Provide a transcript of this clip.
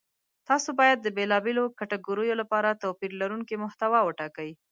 تاسو باید د بېلابېلو کتګوریو لپاره توپیر لرونکې محتوا وټاکئ.